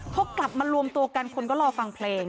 พอกลับมารวมตัวกันคนก็รอฟังเพลง